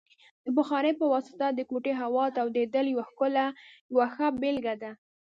د بخارۍ په واسطه د کوټې هوا تودیدل یوه ښه بیلګه ده.